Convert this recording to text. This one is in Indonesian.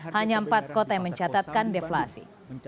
hanya empat kota yang mencatatkan deflasi